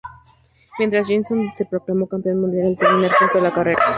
Mientras, Jenson se proclamó campeón mundial al terminar quinto la carrera.